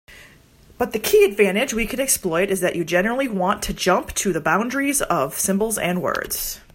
But the key advantage we can exploit is that you generally want to jump to the boundaries of symbols and words.